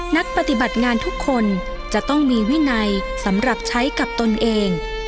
นักปฏิบัติงานทุกคนจะต้องมีวินัยสำหรับใช้กับตนเอง